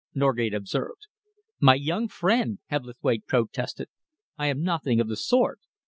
Norgate observed. "My young friend," Hebblethwaite protested, "I am nothing of the sort.